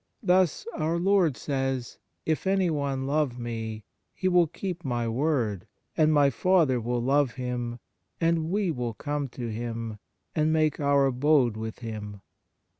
Thus, Our Lord says: "If anyone love Me, he will keep My word; and My Father will love him, and We will come to Him and make Our abode with him